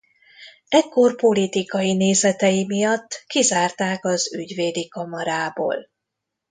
Ekkor politikai nézetei miatt kizárták az Ügyvédi Kamarából.